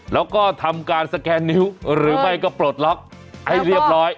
แล้วก็ทำการสแกนนิ้วหรือไม่ก็ปลดล็อกให้เรียบร้อย